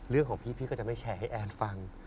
เรื่องของพี่ก็จะไม่แชร์ให้แอนฟัง